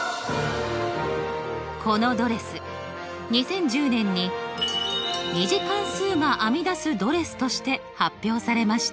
このドレス２０１０年に２次関数があみだすドレスとして発表されました。